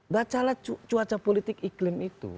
bacalah cuaca politik iklim itu